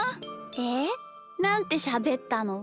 えなんてしゃべったの？